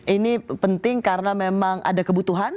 ini penting karena memang ada kebutuhan